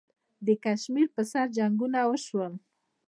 د کشمیر پر سر جنګونه وشول.